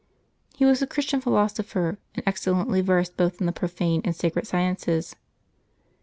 He was a Christian philos opher, and excellently versed both in the profane and sacred sciences.